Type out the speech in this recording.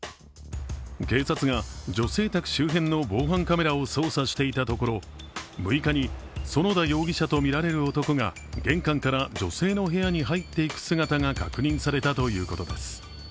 警察が女性宅周辺の防犯カメラを捜査していたところ６日に園田容疑者とみられる男が玄関から女性の部屋に入っていく様子が確認されたということです。